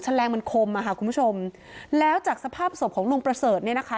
แรงมันคมอ่ะค่ะคุณผู้ชมแล้วจากสภาพศพของลุงประเสริฐเนี่ยนะคะ